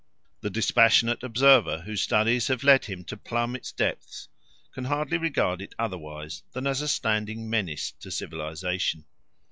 The dispassionate observer, whose studies have led him to plumb its depths, can hardly regard it otherwise than as a standing menace to civilisation.